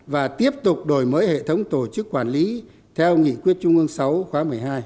và tiếp tục đổi mới hệ thống tổ chức quản lý theo nghị quyết trung ương sáu khóa một mươi hai